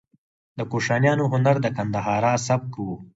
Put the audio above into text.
د کوشانیانو هنر د ګندهارا سبک و